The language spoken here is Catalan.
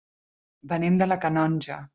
Venim de la Canonja.